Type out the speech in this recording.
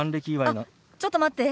あっちょっと待って。